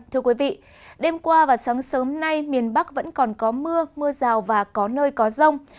thưa quý vị đêm qua và sáng sớm nay miền bắc vẫn còn có mưa mưa rào và có nơi có rông